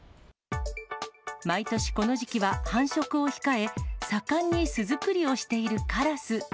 毎年この時期は、繁殖を控え、盛んに巣作りをしているカラス。